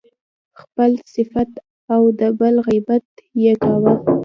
خپل صفت او د بل غیبت يې کاوه.